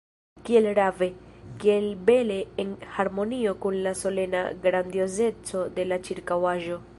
Kiel rave, kiel bele en harmonio kun la solena grandiozeco de la ĉirkaŭaĵo!